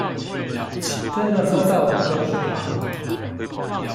真的喝到底都是糖